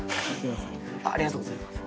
ありがとうございます。